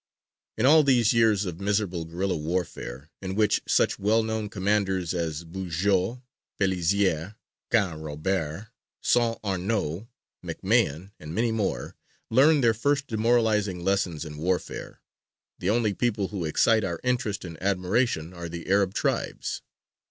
In all these years of miserable guerilla warfare, in which such well known commanders as Bugeaud, Pelissier, Canrobert, St. Arnaud, MacMahon, and many more, learned their first demoralizing lessons in warfare, the only people who excite our interest and admiration are the Arab tribes.